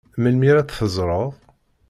Melmi ara t-teẓred?